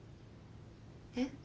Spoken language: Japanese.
えっ？